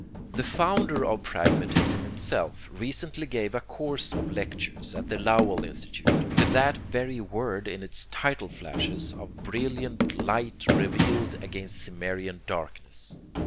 The founder of pragmatism himself recently gave a course of lectures at the Lowell Institute with that very word in its title flashes of brilliant light relieved against Cimmerian darkness!